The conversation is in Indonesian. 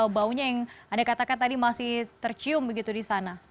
karena memang baunya yang anda katakan tadi masih tercium begitu di sana